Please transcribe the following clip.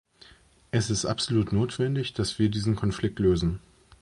Es ist absolut notwendig, dass wir diesen Konflikt lösen.